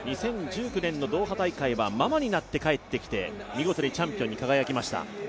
２０１９年のドーハ大会はママになって帰ってきて見事にチャンピオンに輝きました。